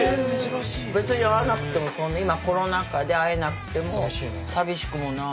別に会わなくてもそんな今コロナ禍で会えなくても寂しくもない。